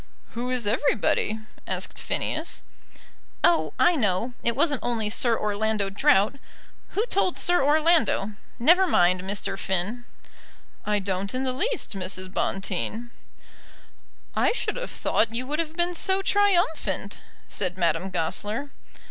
"Who is everybody?" asked Phineas. "Oh! I know. It wasn't only Sir Orlando Drought. Who told Sir Orlando? Never mind, Mr. Finn." "I don't in the least, Mrs. Bonteen." "I should have thought you would have been so triumphant," said Madame Goesler.